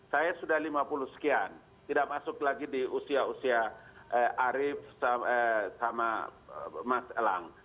saya sudah lima puluh sekian tidak masuk lagi di usia usia arief sama mas elang